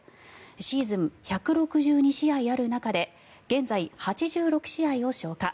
シーズン１６２試合ある中で現在、８６試合を消化。